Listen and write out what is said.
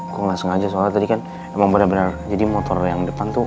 aku nggak sengaja soalnya tadi kan emang bener bener jadi motor yang depan tuh